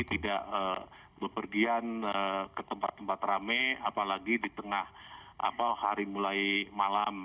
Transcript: tidak berpergian ke tempat tempat rame apalagi di tengah hari mulai malam